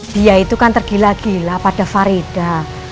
dia itu kan tergila gila pada farida